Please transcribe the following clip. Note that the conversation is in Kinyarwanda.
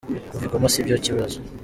Kuva i Goma si byo kibazo.